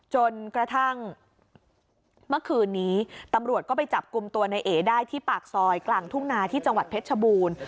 จนกระทั่งเมื่อคืนนี้ตำรวจก็ไปจับกลุ่มตัวในเอได้ที่ปากซอยกลางทุ่งนาที่จังหวัดเพชรชบูรณ์